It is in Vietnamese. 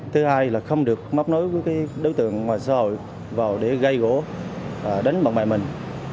thứ hai là không được mắp nối với đối tượng ngoài xã hội vào để gây gỗ và đánh bằng bài mình